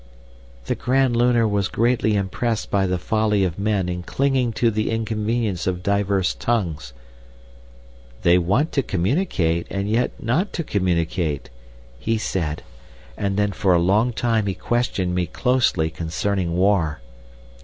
] "The Grand Lunar was greatly impressed by the folly of men in clinging to the inconvenience of diverse tongues. 'They want to communicate, and yet not to communicate,' he said, and then for a long time he questioned me closely concerning war.